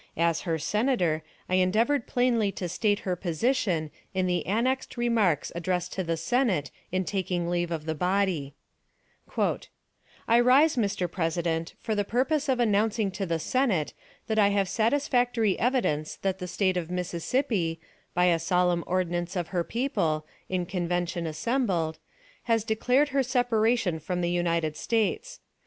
As her Senator, I endeavored plainly to state her position in the annexed remarks addressed to the Senate in taking leave of the body: "I rise, Mr. President, for the purpose of announcing to the Senate that I have satisfactory evidence that the State of Mississippi, by a solemn ordinance of her people, in convention assembled, has declared her separation from the United States.